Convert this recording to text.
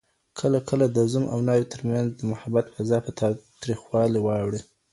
کله کله د زوم او ناوي تر منځ د محبت فضا په تاوتريخوالي واوړي